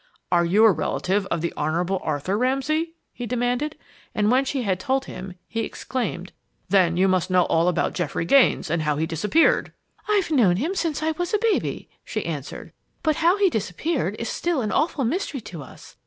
"Are you a relative of the Honorable Arthur Ramsay?" he demanded; and when she had told him, he exclaimed: "Then you must know all about Geoffrey Gaines and how he disappeared!" "I've known him since I was a baby," she answered; "but how he disappeared is still an awful mystery to us.